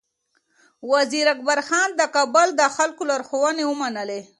وزیر اکبر خان د کابل د خلکو لارښوونې ومنلې.